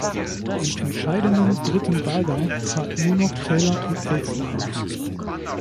Im entscheidenden dritten Wahlgang traten nur noch Taylor und Alston an.